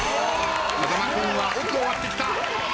風間君は奥を割ってきた。